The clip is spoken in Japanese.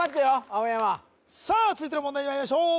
青山さあ続いての問題にまいりましょう